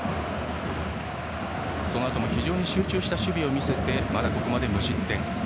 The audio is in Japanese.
そのあとも非常に集中した守備を見せてまだここまで無失点。